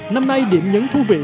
năm nay điểm nhấn thú vị